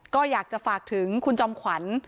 ก็อยากจะฝากถึงคุณจอมขวัญ